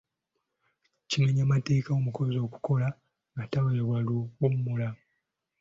Kimenya mateeka omukozi okukola nga taweebwa luwummula.